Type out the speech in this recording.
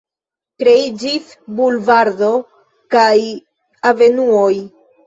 Kreiĝis bulvardo kun avenuoj.